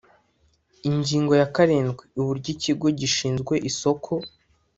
Ingingo ya karindwi Uburyo Ikigo gishinzwe isoko